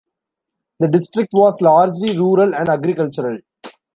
The district was largely rural and agricultural.